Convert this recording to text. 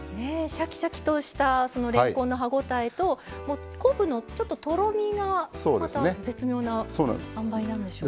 シャキシャキとしたそのれんこんの歯応えと昆布のとろみがまた絶妙な塩梅なんでしょう。